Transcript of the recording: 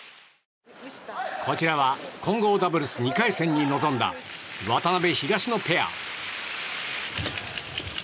こちらは混合ダブルス２回戦に臨んだ渡辺、東野ペア。